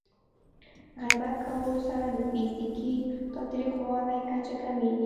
غیبت کولو سره د فزیکي تاوتریخوالي کچه کمېږي.